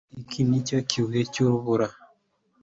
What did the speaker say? Iki nicyo kibuye cy'urubura